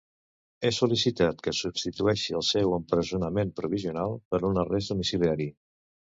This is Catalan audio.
Ha sol·licitat que substitueixi el seu empresonament provisional per un arrest domiciliari.